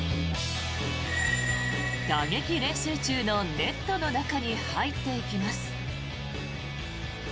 打撃練習中のネットの中に入っていきます。